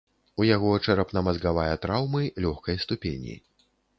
У яго чэрапна-мазгавая траўмы лёгкай ступені.